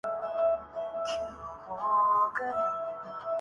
I S I کا agent ہونے پر فخر ہے حمزہ علی عباسی